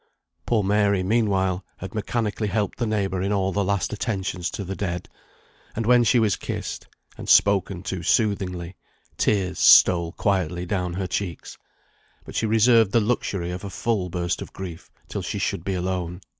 Poor Mary, meanwhile, had mechanically helped the neighbour in all the last attentions to the dead; and when she was kissed, and spoken to soothingly, tears stole quietly down her cheeks: but she reserved the luxury of a full burst of grief till she should be alone.